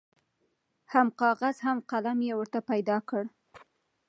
هم کاغذ هم یې قلم ورته پیدا کړ